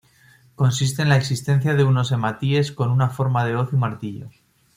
Consiste en la existencia de unos hematíes con una forma de hoz y martillo.